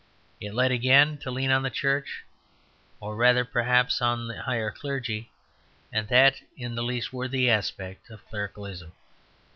It led it again to lean on the Church, or rather, perhaps, on the higher clergy, and that in the least worthy aspect of clericalism.